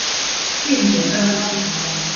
枋野二號橋